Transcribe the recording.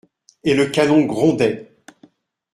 Et le canon grondait.